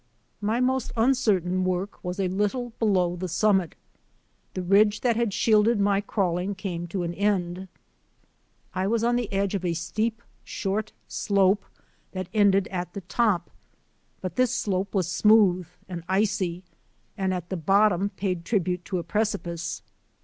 My most uncertain work was a little below the summit. The ridge that had shielded my crawling came to an end. I was on the edge of a steep, short slope that ended at the top, but this slope was smooth and icy and at the bottom paid tribute to a precipice.